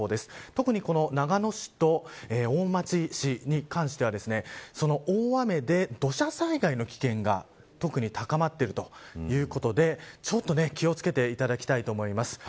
特に長野市と大町市に関しては大雨で土砂災害の危険が特に高まっているということでちょっと気を付けていただきたいと思います。